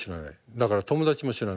だから友達も知らない。